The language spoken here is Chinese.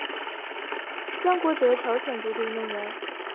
姜国哲朝鲜足球运动员。